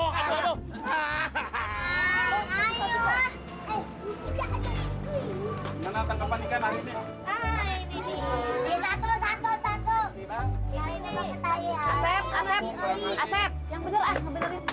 jangan penjualan jangan penjualan jangan penjualan